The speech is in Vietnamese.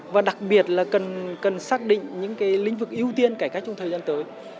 và đặc biệt là cần xác định những lĩnh vực ưu tiên cải cách trong thời gian tới